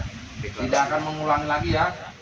tidak akan mengulangi lagi ya